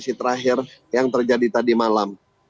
kondisi terakhir yang terjadi tadi malam